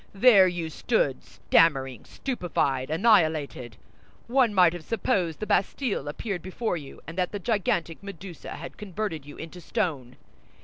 There you stood, stammering, stupefied, annihilated. One might have supposed the Bastille appeared before you, and that the gigantic Medusa had converted you into stone.